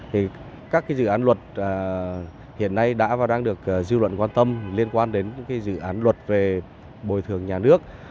thì các cái dự án luật hiện nay đã và đang được dư luận quan tâm liên quan đến cái dự án luật về bồi thường nhà nước